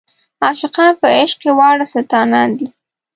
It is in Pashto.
عاشقان په عشق کې واړه سلطانان دي.